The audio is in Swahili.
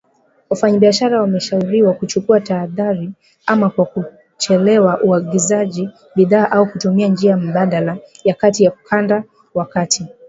Wafanyabiashara wameshauriwa kuchukua tahadhari, ama kwa kuchelewesha uagizaji bidhaa au kutumia njia mbadala ya kati ukanda wa kati.